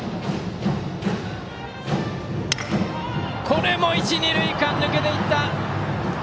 これも一、二塁間、抜けていった。